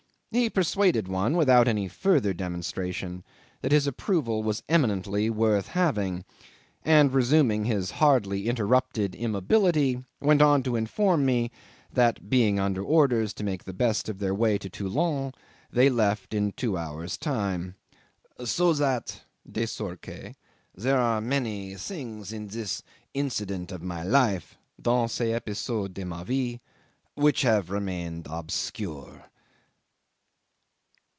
He persuaded one without any further demonstration that his approval was eminently worth having, and resuming his hardly interrupted immobility, he went on to inform me that, being under orders to make the best of their way to Toulon, they left in two hours' time, "so that (de sorte que) there are many things in this incident of my life (dans cet episode de ma vie) which have remained obscure."